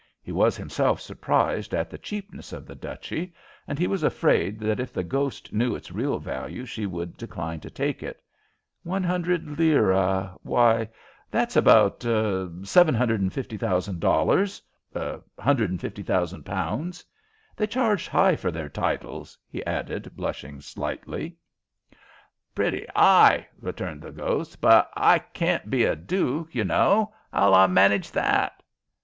He was himself surprised at the cheapness of the duchy, and he was afraid that if the ghost knew its real value she would decline to take it. "One hundred lire? Why, that's about 750,000 dollars 150,000 pounds. They charge high for their titles," he added, blushing slightly. "Pretty 'igh," returned the ghost. "But h'I carn't be a duke, ye know. 'Ow'll I manidge that?"